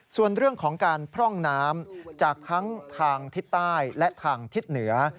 ส่วนเรื่องของการพร่องน้ำจากทั้งทางทิศใต้และทางทิศเหนือ